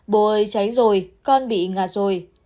bồ ơi cháy rồi con bị ngạt rồi